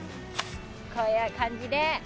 こういう感じで。